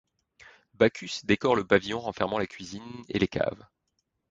Bacchus décore le pavillon renfermant la cuisine et les caves.